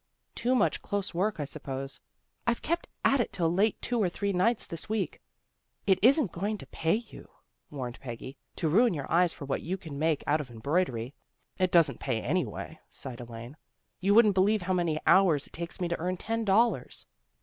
"" Too much close work, I suppose. I've kept at it till late two or three nights this week." " It isn't going to pay you," warned Peggy, " to ruin your eyes for what you can make out of embroidery." " It doesn't pay anyway," sighed Elaine. " You wouldn't believe how many hours it takes me to earn ten dollars."